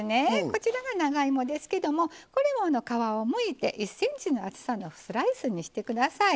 こちらが長芋ですけどもこれも皮をむいて１ｃｍの厚さのスライスにしてください。